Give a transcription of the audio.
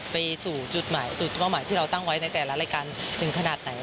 ไปสู่จุดหมายจุดเป้าหมายที่เราตั้งไว้ในแต่ละรายการถึงขนาดไหน